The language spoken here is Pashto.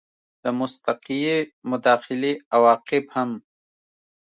د مستقیې مداخلې عواقب هم